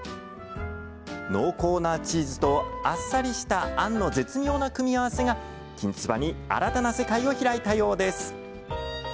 濃厚なチーズとあっさりしたあんの絶妙な組み合わせが、きんつばに新たな世界を開いたようです。